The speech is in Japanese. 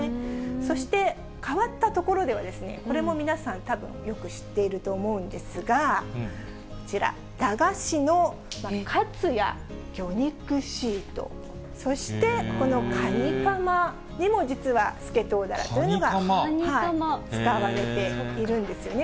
そして、変わったところでは、これも皆さん、たぶんよく知っていると思うんですが、こちら、駄菓子のカツや魚肉シート、そして、このかにかまにも実はスケトウダラというのが使われているんですね。